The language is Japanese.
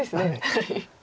はい。